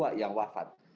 tapi ada dua yang wafat